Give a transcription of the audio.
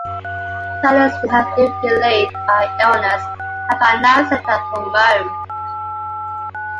Valens, who had been delayed by illness, had by now set out from Rome.